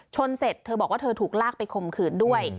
เสร็จเธอบอกว่าเธอถูกลากไปข่มขืนด้วย